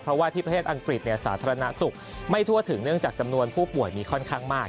เพราะว่าที่ประเทศอังกฤษสาธารณสุขไม่ทั่วถึงเนื่องจากจำนวนผู้ป่วยมีค่อนข้างมาก